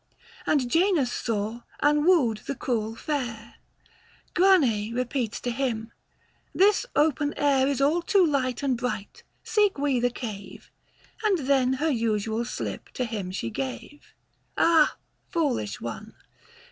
And Janus saw and wooed the cruel fair. 135 Grane repeats to him, " This open air Is all too light and bright ; seek we the cave ;" And then her usual slip to him she gave. Ah, foolish one